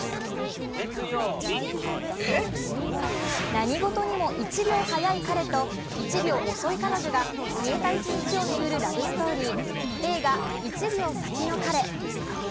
何事にも１秒早い彼と１秒遅い彼女が消えた一日を巡るラブストーリー、映画「１秒先の彼」。